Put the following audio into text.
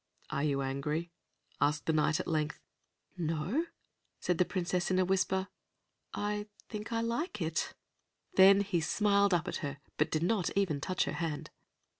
"Are you angry?" asked the Knight, at length. "No," said the Princess, in a whisper. "I think I like it." Then he smiled up at her, but did not even touch her hand.